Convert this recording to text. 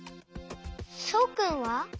そうくんは？